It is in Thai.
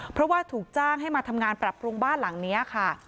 เพราะว่าถูกจ้างให้มาทำงานปรับปรุงบ้านหลังนี้ค่ะ